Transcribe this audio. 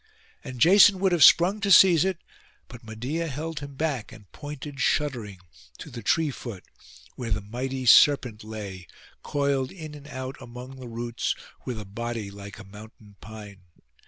And Jason would have sprung to seize it; but Medeia held him back, and pointed, shuddering, to the tree foot, where the mighty serpent lay, coiled in and out among the roots, with a body like a mountain pine.